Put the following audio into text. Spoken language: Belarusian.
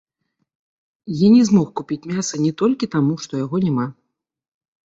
Я не змог купіць мяса не толькі таму, што яго няма.